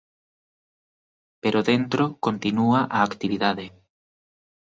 Pero dentro, continúa a actividade.